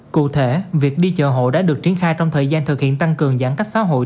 cụ thể việc đi chợ hộ đã được triển khai trong thời gian thực hiện tăng cường giãn cách xã hội